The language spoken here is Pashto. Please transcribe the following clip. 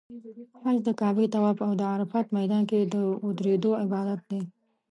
حج د کعبې طواف او د عرفات میدان کې د ودریدو عبادت دی.